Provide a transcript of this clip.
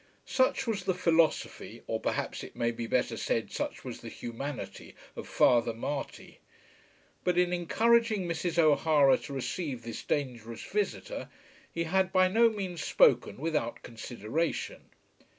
Such was the philosophy, or, perhaps, it may be better said such was the humanity of Father Marty! But in encouraging Mrs. O'Hara to receive this dangerous visitor he had by no means spoken without consideration.